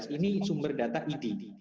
ini sumber data id